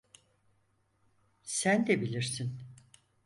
Sen de bilirsin.